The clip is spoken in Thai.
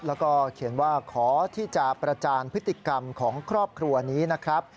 แล้วก็เขียนว่าขอที่จะประจานพฤติกรรมของครอบครัวนี้นะครับ